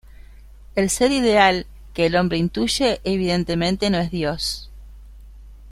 El ser ideal que el hombre intuye, evidentemente no es Dios.